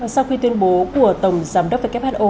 sau khi tuyên bố của tổng giám đốc who